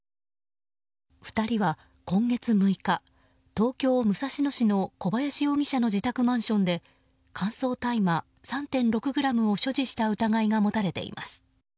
２人は今月６日東京・武蔵野市の小林容疑者の自宅マンションで乾燥大麻３．６ｇを所持した疑いが持たれています。